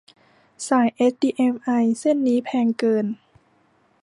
สายเอชดีเอ็มไอเส้นนี้แพงเกิน